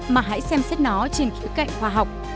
mà hãy xem xét nó trên khía cạnh khoa học